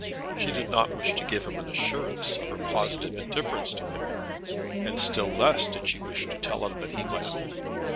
She did not wish to give him an assurance of her positive indifference to him, and still less did she wish to tell him that he might hope.